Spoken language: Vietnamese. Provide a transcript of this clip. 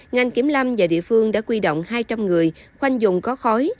ngành kiểm lâm và địa phương đã quy động hai trăm linh người khoanh dùng có khói